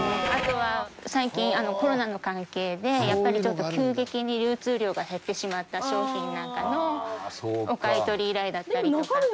あとは最近コロナの関係でやっぱりちょっと急激に流通量が減ってしまった商品なんかのお買い取り依頼だったりとか。